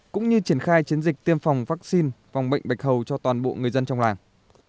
cũng như triển khai chiến dịch tiêm phòng vaccine phòng bệnh bạch hầu cho toàn bộ người dân trong làng